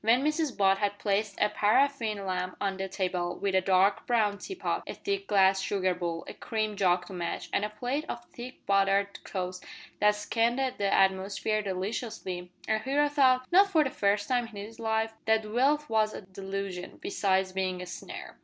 When Mrs Butt had placed a paraffin lamp on the table, with a dark brown teapot, a thick glass sugar bowl, a cream jug to match, and a plate of thick buttered toast that scented the atmosphere deliciously, our hero thought not for the first time in his life that wealth was a delusion, besides being a snare.